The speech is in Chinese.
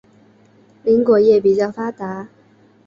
林果业比较发达。